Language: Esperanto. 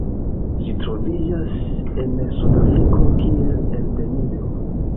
Ĝi troviĝas en Sudafriko kiel endemio.